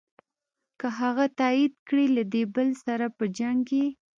که هغه تایید کړې له دې بل سره په جنګ یې.